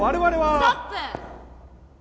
ストップ！